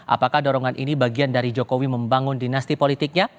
apakah dorongan ini bagian dari jokowi membangun dinasti politiknya